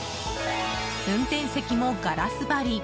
運転席もガラス張り。